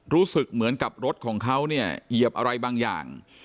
รู้สึกเหมือนกับรถของเขาเนี่ยเหยียบอะไรบางอย่าง